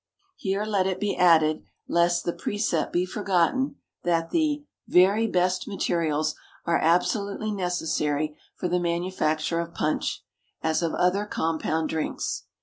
Here let it be added, lest the precept be forgotten, that the Very best Materials are absolutely necessary for the manufacture of punch, as of other compound drinks.